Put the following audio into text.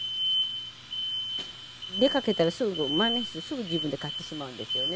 出かけたらすぐ万年筆、すぐ自分で買ってしまうんですよね。